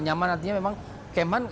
nyaman artinya memang km han